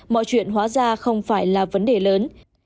mọi chuyện hóa ra không phải là vấn đề lớn